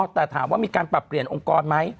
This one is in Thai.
แต่ถามว่ามีการปรับเปลี่ยนองค์กรไหม